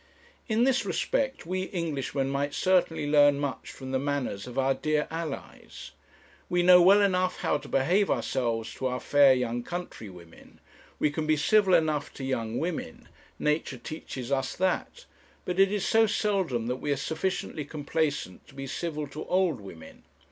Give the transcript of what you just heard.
In this respect we Englishmen might certainly learn much from the manners of our dear allies. We know well enough how to behave ourselves to our fair young countrywomen; we can be civil enough to young women nature teaches us that; but it is so seldom that we are sufficiently complaisant to be civil to old women.